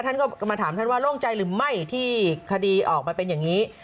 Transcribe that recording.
ท่านก็มาถามท่านว่าโล่งใจหรือไม่ที่คดีออกมาเป็นอย่างนี้